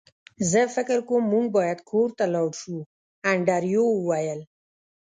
زه فکر کوم موږ باید کور ته لاړ شو انډریو وویل